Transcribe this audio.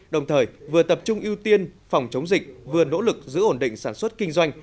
đồng thời vừa tập trung ưu tiên phòng chống dịch vừa nỗ lực giữ ổn định sản xuất kinh doanh